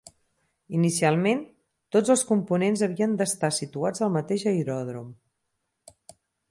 Inicialment, tots els components havien de estar situats al mateix aeròdrom.